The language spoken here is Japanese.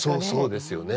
そうですよね。